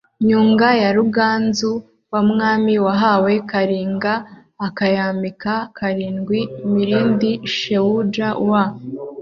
Nyunga ya Ruganzu Wa mwami wahawa Karinga Akayamika karindwi Mirindi sheuja wa